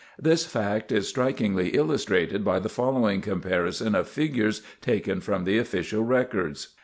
This fact is strikingly illustrated by the following comparison of figures taken from the official records.